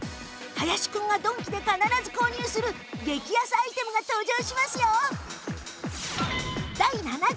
林くんがドンキで必ず購入する激安アイテムが登場しますよ